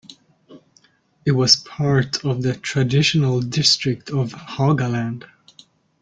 It was part of the traditional district of Haugaland.